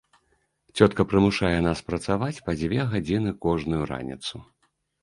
Цётка прымушае нас працаваць па дзве гадзіны кожную раніцу.